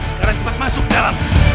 sekarang cepat masuk dalam